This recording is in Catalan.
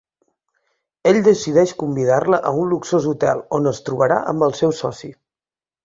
Ell decideix convidar-la a un luxós hotel, on es trobarà amb el seu soci.